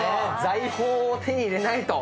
財宝を手に入れないと。